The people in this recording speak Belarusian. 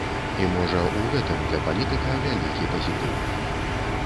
І, можа, у гэтым для палітыка вялікі пазітыў.